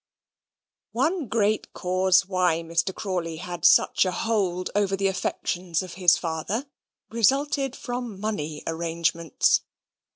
One great cause why Mr. Crawley had such a hold over the affections of his father, resulted from money arrangements.